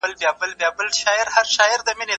که بښنه وي نو کینه نه پاتیږي.